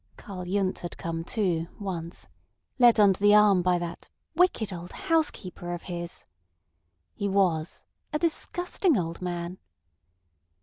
Karl Yundt had come too, once, led under the arm by that "wicked old housekeeper of his." He was "a disgusting old man."